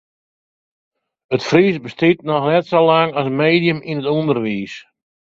It Frysk bestiet noch net sa lang as medium yn it ûnderwiis.